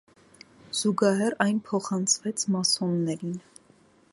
Զուգահեռ այն փոխանցվեց մասոններին։